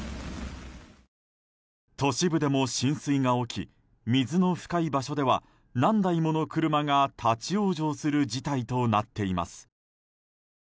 都市部でも浸水が起き水の深い場所では何台もの車が立ち往生する事態となっています。